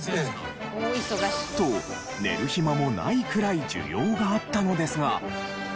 と寝る暇もないくらい需要があったのですが。